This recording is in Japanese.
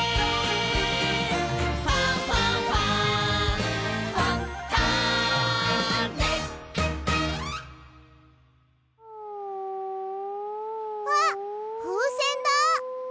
「ファンファンファン」あっふうせんだ！